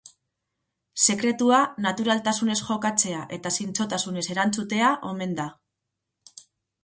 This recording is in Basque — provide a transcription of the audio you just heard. Sekretua naturaltasunez jokatzea eta zintzotasunez erantzutea omen da.